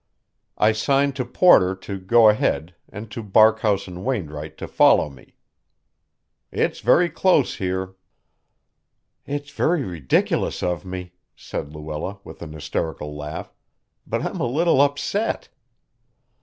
I signed to Porter to go ahead and to Barkhouse and Wainwright to follow me. "It's very close here." "It's very ridiculous of me," said Luella, with an hysterical laugh, "but I'm a little upset."